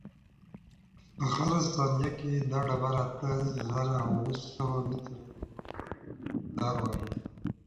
په هره ثانیه کې دا ډبره اته زره اوه سوه متره لاره وهي.